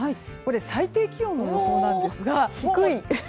最低気温の予想なんですが。